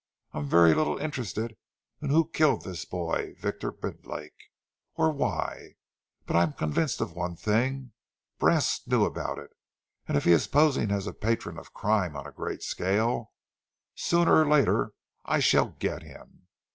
I've very little interest in who killed this boy Victor Bidlake, or why, but I'm convinced of one thing Brast knew about it, and if he is posing as a patron of crime on a great scale, sooner or later I shall get him.